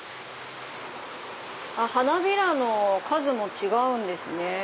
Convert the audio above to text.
花びらの数も違うんですね。